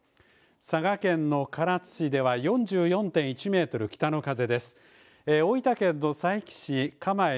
佐賀県の唐津市では４４．１メートル、北の風です。